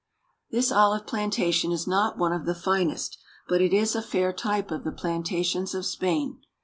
This olive plantation is not one of the finest, but it is a fair type of the plantations of Spain.